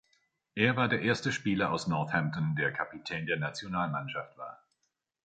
Er war der erste Spieler aus Northampton, der Kapitän der Nationalmannschaft war.